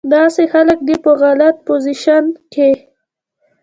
داسې خلک دې پۀ غلط پوزيشن کښې